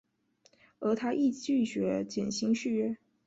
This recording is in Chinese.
而他亦拒绝减薪续约。